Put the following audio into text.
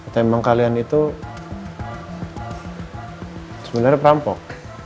tapi memang kalian itu sebenarnya perampok